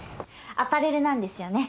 アパレルなんですよね。